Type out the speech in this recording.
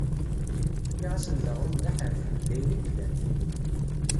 Fkiɣ-asen-d aɣrum d aḥerfi, d ayen i yellan.